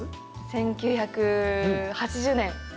１９８０年。